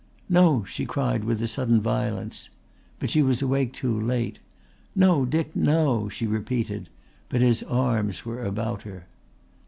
"No!" she cried with a sudden violence. But she was awake too late. "No, Dick, no," she repeated, but his arms were about her.